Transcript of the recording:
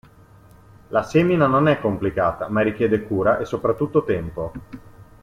La semina non è complicata, ma richiede cura e soprattutto tempo.